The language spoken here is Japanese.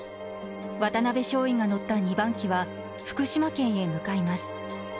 渡邊少尉が乗った２番機は福島県へ向かいます。